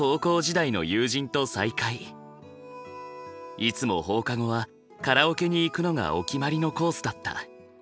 いつも放課後はカラオケに行くのがお決まりのコースだった。